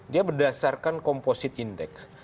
dia berdasarkan komposit indeks